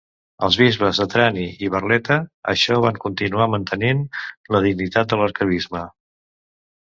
Els bisbes de Trani i Barletta això van continuar mantenint la dignitat d'arquebisbe.